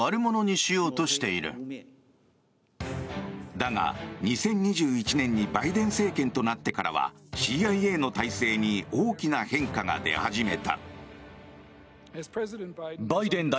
だが、２０２１年にバイデン政権となってからはＣＩＡの体制に大きな変化が出始めた。